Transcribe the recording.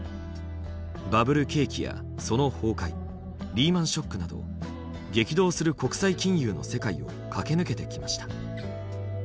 バブル景気やその崩壊リーマンショックなど激動する国際金融の世界を駆け抜けてきました。